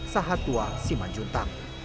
sahat tua siman juntang